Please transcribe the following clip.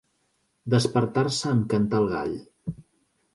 Despertar-se en cantar el gall.